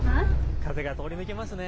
風が通り抜けますね。